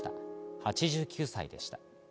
８９歳でした。